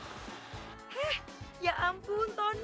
heh ya ampun tono